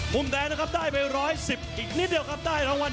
มุมแดนครับได้ไปร้อยสิบอีกนิดเดียวกับได้ทั้งวัน